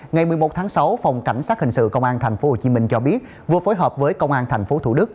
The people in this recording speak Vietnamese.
ngày một mươi một tháng sáu phòng cảnh sát hình sự công an tp hcm cho biết vừa phối hợp với công an tp thủ đức